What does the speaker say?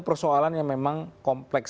persoalan yang memang kompleks